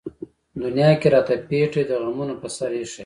دنيا کۀ راته پېټے د غمونو پۀ سر اېښے